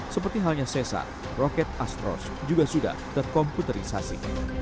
seperti halnya cesar roket astros juga sudah terkomputerisasi